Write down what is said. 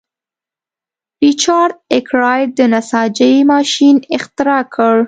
ریچارډ ارکرایټ د نساجۍ ماشین اختراع کړ.